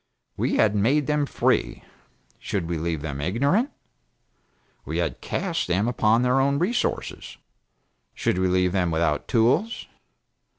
We had made them free. Should we leave them ignorant? We had cast them upon their own resources. Should we leave them without tools?